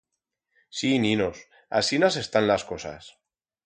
Sí ninos, asinas están las cosas.